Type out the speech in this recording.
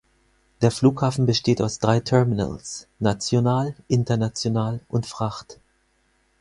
Der Flughafen besteht aus drei Terminals: National, International und Fracht.